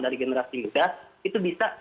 dari generasi muda itu bisa